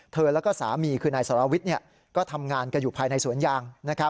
แล้วก็สามีคือนายสรวิทย์ก็ทำงานกันอยู่ภายในสวนยาง